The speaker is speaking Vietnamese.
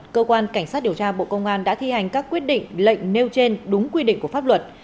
cơ quan cảnh sát điều tra bộ công an đã thi hành các quyết định lệnh nêu trên đúng quy định của pháp luật